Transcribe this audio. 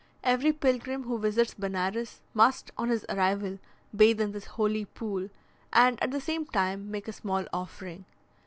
Every pilgrim who visits Benares must, on his arrival, bathe in this holy pool, and, at the same time, make a small offering.